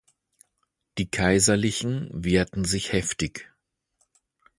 Die Kaiserlichen wehrten sich heftig.